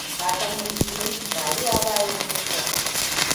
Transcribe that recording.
Fatanmu shi ne rayuwa bayan mutuwa.